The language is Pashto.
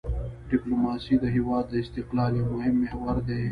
ډیپلوماسي د هېواد د استقلال یو مهم محور دی.